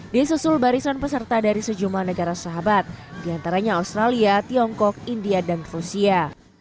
disusul barisan peserta dari sejumlah negara sahabat diantaranya australia tiongkok india dan rusia